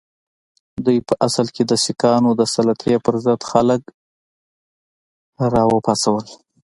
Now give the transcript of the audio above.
دوی په اصل کې د سیکهانو د سلطې پر ضد خلک را وپاڅول.